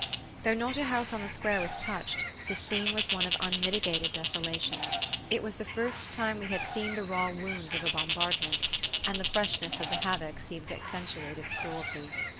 Though not a house on the square was touched, the scene was one of unmitigated desolation. It was the first time we had seen the raw wounds of a bombardment, and the freshness of the havoc seemed to accentuate its cruelty.